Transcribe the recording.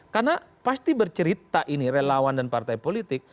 karena pasti bercerita ini relawan dan partai politik